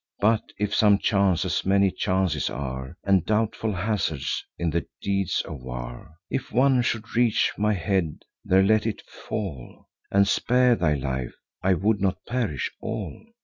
But if some chance—as many chances are, And doubtful hazards, in the deeds of war— If one should reach my head, there let it fall, And spare thy life; I would not perish all.